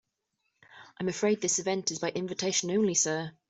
I'm afraid this event is by invitation only, sir.